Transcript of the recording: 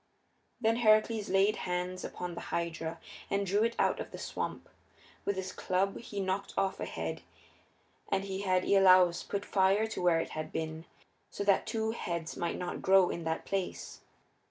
Then Heracles laid hands upon the Hydra and drew it out of the swamp. With his club he knocked off a head and he had Iolaus put fire to where it had been, so that two heads might not grow in that place.